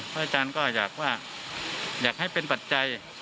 อาจารย์ก็อยากว่าอยากให้เป็นปัจจัย